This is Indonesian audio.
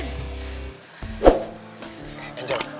angel udah gak usah ribu sauan lagi